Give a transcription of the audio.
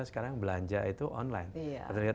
sekarang belanja itu online terlihat